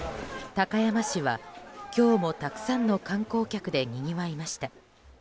高山市は、今日もたくさんの観光客でにぎわいました。